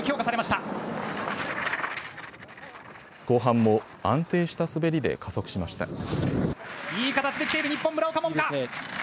後半も安定した滑りで加速しました。